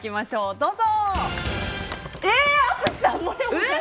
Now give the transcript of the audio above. どうぞ。